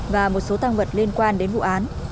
và một số tăng vật liên quan đến vụ án